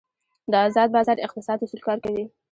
د ازاد بازار اقتصاد اصول کار کوي.